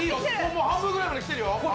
もう半分ぐらいまできてるよ。